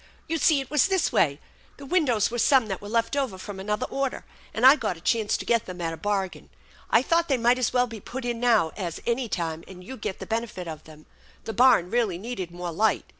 " You see it was this way. The windows were some that were left over from another order, and I got a chance to get them at a bargain. I thought they might as well be put in now as any time and you get the benefit of them. The barn really needed more light.